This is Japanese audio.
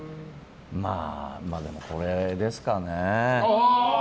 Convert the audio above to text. まあでもこれですかね。